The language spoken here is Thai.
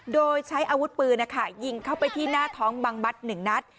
โดยใช้อาวุธปืนยิงเข้าไปที่หน้าท้องบังบัตร๑นัด